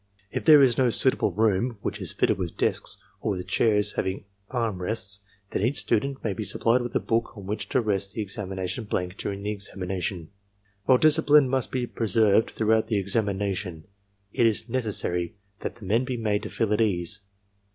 If there is no suitable room which is fitted with desks, or with chairs having arm rests, then each student may be supplied with a book on which to rest the examination blank during the examination. While discipline must be preserved throughout the examina tion, it is necessary that the men be made to feel at ease.